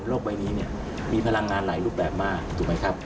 ใบนี้เนี่ยมีพลังงานหลายรูปแบบมากถูกไหมครับ